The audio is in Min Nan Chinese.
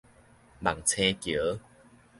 望星橋